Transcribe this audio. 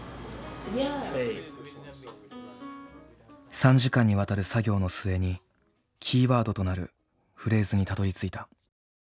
３時間にわたる作業の末にキーワードとなるフレーズにたどりついた。